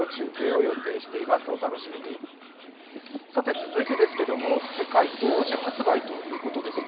続いてですけれども、世界同時発売ということですね。